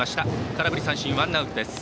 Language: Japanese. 空振り三振、ワンアウトです。